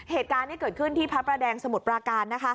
เหตุการณ์นี้เกิดขึ้นที่พระประแดงสมุทรปราการ